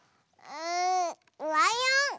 んライオン！